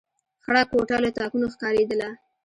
خړه کوټه له تاکونو ښکارېدله.